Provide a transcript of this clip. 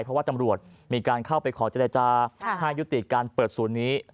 เพราะว่าตำรวจมีการเข้าไปขอเจรจาให้ยุติการเปิดศูนย์นี้